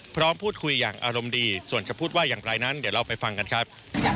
พร้อมพูดคุยอย่างอารมณ์ดีส่วนจะพูดว่าอย่างไรนั้นเดี๋ยวเราไปฟังกันครับ